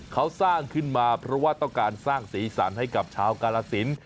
เขาสร้างขึ้นมาเพราะว่าต้องการสร้างสีสันให้กับชาวกาลสิน